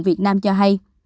việt nam cho hay